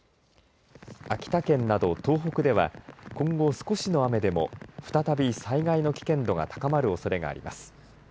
秋田県など、東北では今後、少しの雨でも再び災害の危険度が高まるおそれがあります。